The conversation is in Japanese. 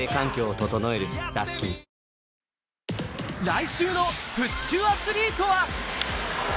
来週のＰＵＳＨアスリートは？